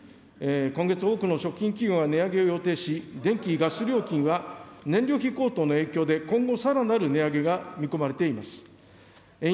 今月、多くの食品企業が値上げを予定し、電気・ガス料金は燃料費高騰の影響で今後、さらなる値上げが見込まれています。